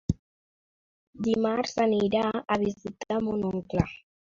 Dimarts anirà a visitar mon oncle.